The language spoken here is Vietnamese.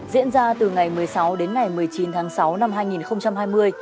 diễn ra từ ngày một mươi sáu đến ngày một mươi chín tháng sáu năm hai nghìn hai mươi